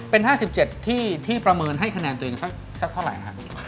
เป็น๕๗ที่ประเมินให้คะแนนตัวเองสักเท่าไหร่ครับ